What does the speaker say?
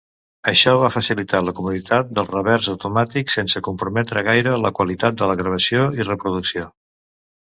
Això va facilitar la comoditat del revers automàtic sense comprometre gaire la qualitat de la gravació i reproducció.